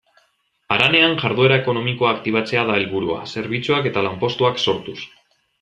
Haranean jarduera ekonomikoa aktibatzea da helburua, zerbitzuak eta lanpostuak sortuz.